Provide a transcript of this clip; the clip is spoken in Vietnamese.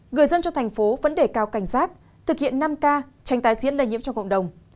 người dân trong thành phố vẫn để cao cảnh giác thực hiện năm k tránh tái diễn đầy nhiễm cho cộng đồng